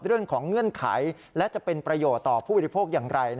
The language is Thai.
เรื่องของเงื่อนไขและจะเป็นประโยคต่อผู้คนิพกิจอย่างไร